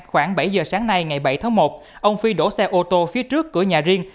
khoảng bảy giờ sáng nay ngày bảy tháng một ông phi đổ xe ô tô phía trước cửa nhà riêng